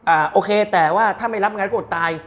โอเคแต่ว่าถ้าไม่รับงานก็อดตาย